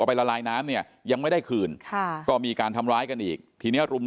ไปละลายน้ำเนี่ยยังไม่ได้คืนค่ะก็มีการทำร้ายกันอีกทีเนี้ยรุม